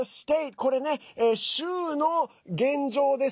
これね、州の現状です。